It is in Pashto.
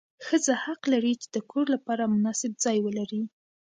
ښځه حق لري چې د کور لپاره مناسب ځای ولري.